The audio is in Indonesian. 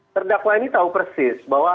terdakwa ini tahu persis bahwa